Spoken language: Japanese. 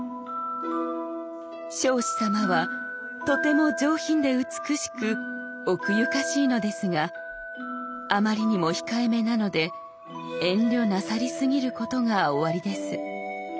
「彰子様はとても上品で美しく奥ゆかしいのですがあまりにも控えめなので遠慮なさりすぎることがおありです」。